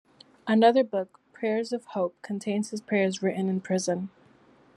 Another book, "Prayers of Hope", contains his prayers written in prison.